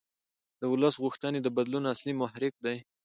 د ولس غوښتنې د بدلون اصلي محرک دي